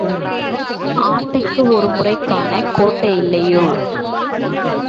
ஆட்டைக்கு ஒரு முறை காணக் கோட்டை இல்லையோ?